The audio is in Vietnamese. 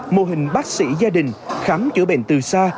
mô hình bác sĩ gia đình khám chữa bệnh từ xa